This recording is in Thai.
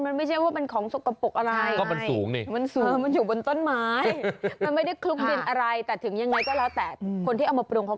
มันไม่ใช่ว่าเป็นของสกปรกอะไร